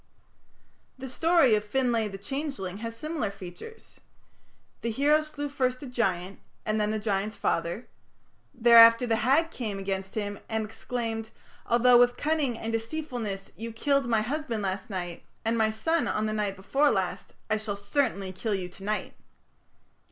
The story of "Finlay the Changeling" has similar features. The hero slew first a giant and then the giant's father. Thereafter the Hag came against him and exclaimed, "Although with cunning and deceitfulness you killed my husband last night and my son on the night before last, I shall certainly kill you to night."